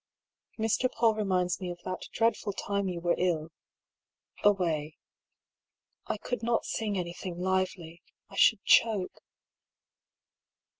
" Mr. Paull reminds me of that dreadful time you were ill — away. I could not sing anything lively; I should choke."